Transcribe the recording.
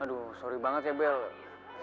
aduh sorry banget ya bel